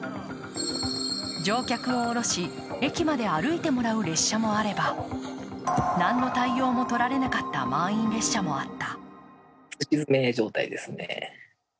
乗客を降ろし、駅まで歩いてもらう列車もあれば何の対応もとられなかった満員列車もあった。